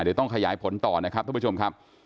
เดี๋ยวต้องขยายผลต่อนะครับทุกผู้ชมครับ